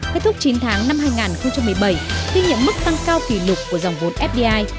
kết thúc chín tháng năm hai nghìn một mươi bảy kinh nghiệm mức tăng cao kỷ lục của dòng vốn fdi